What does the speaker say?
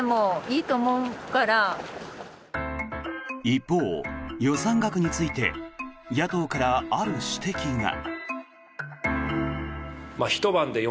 一方、予算額について野党からある指摘が。